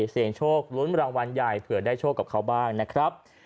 เสียงโชคลุ้นรางวัลใหญ่เผื่อได้โชคกับเขาบ้างนะครับ